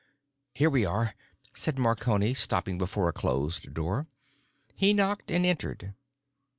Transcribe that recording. "Here we are," said Marconi stopping before a closed door. He knocked and entered.